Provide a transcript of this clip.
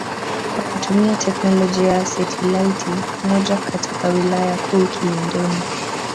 kwa kutumia teknolojia ya setilaiti moja katika wilaya kuu Kilindoni